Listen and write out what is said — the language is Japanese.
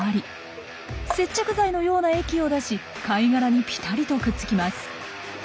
接着剤のような液を出し貝殻にぴたりとくっつきます。